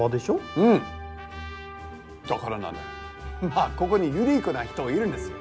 ああここにユニークな人いるんですよ。